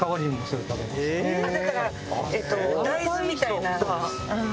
だからえっと大豆みたいな。